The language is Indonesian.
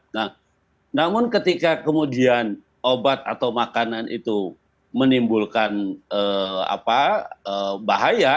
nah namun ketika kemudian obat atau makanan itu menimbulkan bahaya